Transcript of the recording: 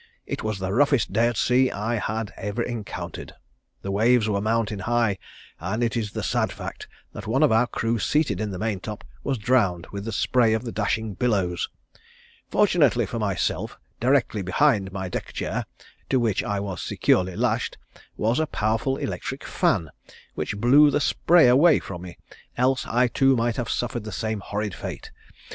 It was the roughest day at sea I had ever encountered. The waves were mountain high, and it is the sad fact that one of our crew seated in the main top was drowned with the spray of the dashing billows. Fortunately for myself, directly behind my deck chair, to which I was securely lashed, was a powerful electric fan which blew the spray away from me, else I too might have suffered the same horrid fate.